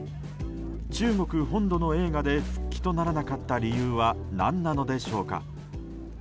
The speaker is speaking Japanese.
中国本土の映画で復帰とならなかった理由は何なのでしょうか。